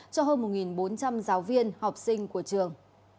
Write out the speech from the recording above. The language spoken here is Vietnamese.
cho hơn một bốn trăm linh giáo viên học sinh của trường